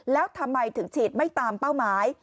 แล้วทำไมถึงฉีดไม่ตามเป้าหมาย